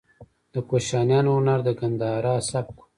د کوشانیانو هنر د ګندهارا سبک و